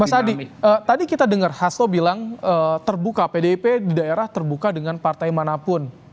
mas adi tadi kita dengar hasto bilang terbuka pdip di daerah terbuka dengan partai manapun